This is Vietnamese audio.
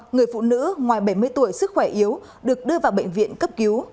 người phụ nữ ngoài bảy mươi tuổi sức khỏe yếu được đưa vào bệnh viện cấp cứu